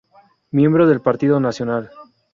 Miembro del Partido Nacional.